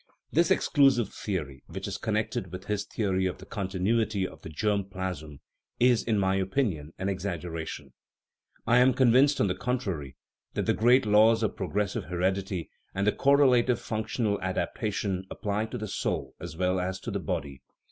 This exclusive theory, which is connected with his theory of the continuity of the germ plasm, is, in my opinion, an exaggeration. I am convinced, on the contrary, that the great laws of progressive heredity and of the correlative functional adaptation apply to the soul as well as to the body.